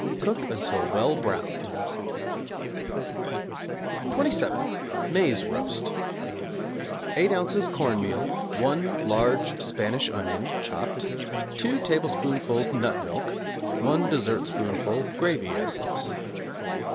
Cook until well browned. =27. Maize Roast= 8 ozs. corn meal, 1 large Spanish onion (chopped), 2 tablespoonfuls nut milk, 1 dessertspoonful gravy essence.